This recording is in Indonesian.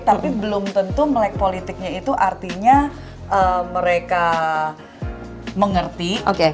tapi belum tentu melek politiknya itu artinya mereka mengerti